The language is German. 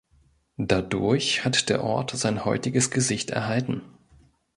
Dadurch hat der Ort sein heutiges Gesicht erhalten.